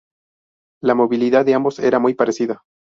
La movilidad de ambos era muy parecida.